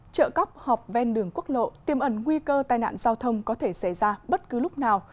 trợ cấp họp ven đường quốc lộ tiêm ẩn nguy cơ tai nạn giao thông có thể xảy ra bất cứ lúc nào